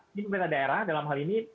ini pemerintah daerah dalam hal ini